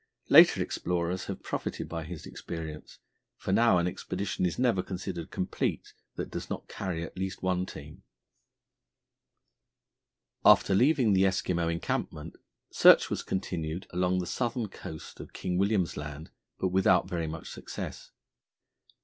Later explorers have profited by his experience, for now an expedition is never considered complete that does not carry at least one team. After leaving the Eskimo encampment, search was continued along the southern coast of King William's Land, but without very much success.